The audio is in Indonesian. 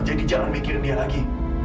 jadi jangan mikirin dia lagi